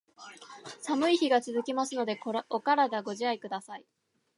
寒い日が続きますので、お体ご自愛下さい。